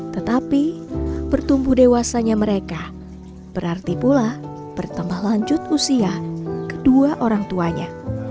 tetapi bertumbuh dewasanya mereka berarti pula bertambah lanjut usia kedua orang tuanya